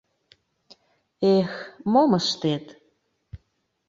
Эх, мом ыштет!